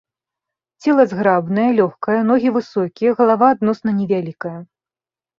Цела зграбнае, лёгкае, ногі высокія, галава адносна невялікая.